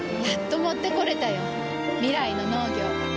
やっと持ってこれたよ。未来の農業。